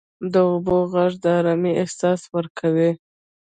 • د اوبو ږغ د آرامۍ احساس ورکوي.